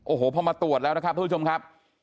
โอ้โหพอมาตรวจแล้วนะครับทุกผู้ชมครับ